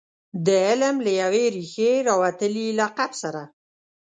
د علم له یوې ریښې راوتلي لقب سره.